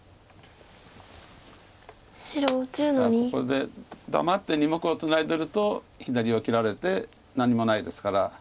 ここで黙って２目をツナいでると左を切られて何もないですから。